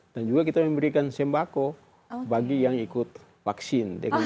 dan juga kita memberikan sembako bagi yang ikut vaksin